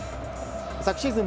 昨シーズン